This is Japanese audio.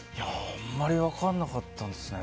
あんまり分からなかったですね。